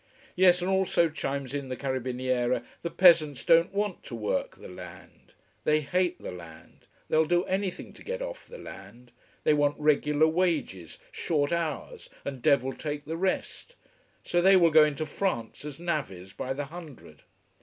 Yes, and also, chimes in the carabiniere, the peasants don't want to work the land. They hate the land. They'll do anything to get off the land. They want regular wages, short hours, and devil take the rest. So they will go into France as navvies, by the hundred.